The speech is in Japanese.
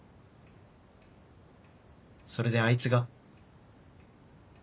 それであいつが。